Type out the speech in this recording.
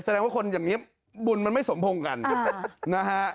แสดงว่าคนอย่างนี้บุญมันไม่สมพงษ์กันนะฮะ